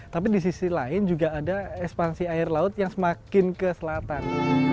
tapi di sisi lain juga ada ekspansi air laut yang semakin ke selatan